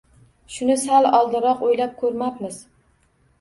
Shuni sal oldinroq o’ylab ko’rmabmiz.